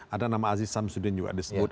ada nama aziz samsudin juga disebut